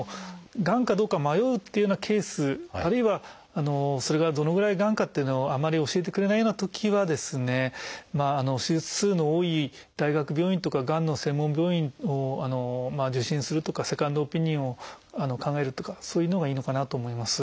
がんかどうか迷うっていうようなケースあるいはそれがどのぐらいがんかっていうのをあまり教えてくれないようなときは手術数の多い大学病院とかがんの専門病院を受診するとかセカンドオピニオンを考えるとかそういうのがいいのかなと思います。